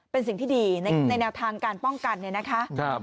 เป็นสิ่งที่ดีในแนวทางการป้องกันเนี่ยนะคะ